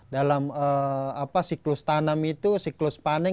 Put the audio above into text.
dalam siklus tanam itu siklus panen